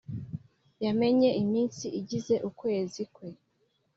yamenya iminsi igize ukwezi kwe.